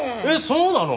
そうなの？